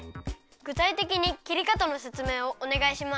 ぐたいてきにきりかたのせつめいをおねがいします。